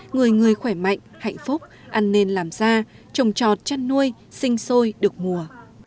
người người khỏe mạnh hạnh phúc ăn nên làm ra trồng trọt chăn nuôi sinh sôi được mùa